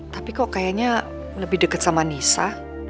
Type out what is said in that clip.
tapi kok kayanya lebih deket sama nisa